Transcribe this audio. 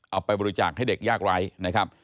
เอาไปบริจาคให้เด็กยากไร้นะครับ